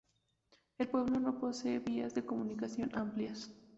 El pueblo no posee vías de comunicación amplias.